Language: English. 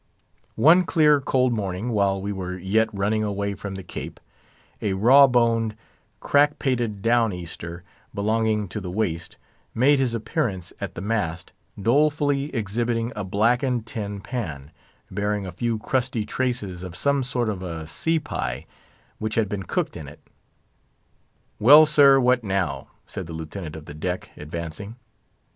One clear, cold morning, while we were yet running away from the Cape, a raw boned, crack pated Down Easter, belonging to the Waist, made his appearance at the mast, dolefully exhibiting a blackened tin pan, bearing a few crusty traces of some sort of a sea pie, which had been cooked in it. "Well, sir, what now?" said the Lieutenant of the Deck, advancing.